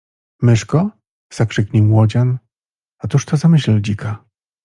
Myszko? - zakrzyknie młodzian A cóż to za myśl dzika